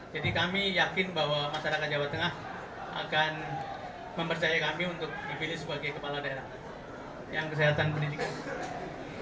jadi kami yakin bahwa masyarakat jawa tengah akan mempercaya kami untuk dipilih sebagai kepala daerah yang kesehatan pendidikan